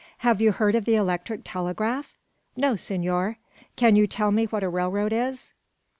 "Have you heard of the electric telegraph?" "No, senor." "Can you tell me what a railroad is?"